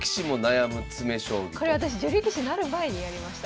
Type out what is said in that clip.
これ私女流棋士になる前にやりました。